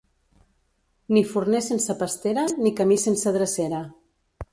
Ni forner sense pastera ni camí sense drecera.